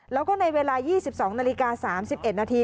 แล้วก็ในเวลา๒๒นาฬิกา๓๑นาที